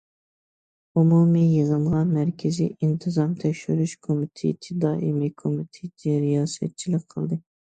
ئومۇمىي يىغىنغا مەركىزىي ئىنتىزام تەكشۈرۈش كومىتېتى دائىمىي كومىتېتى رىياسەتچىلىك قىلدى.